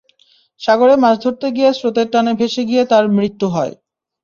সাগরে মাছ ধরতে গিয়ে স্রোতের টানে ভেসে গিয়ে তাঁর মৃত্যু হয়।